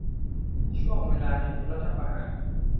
ช่วงเวลาแห่งรัฐประหาร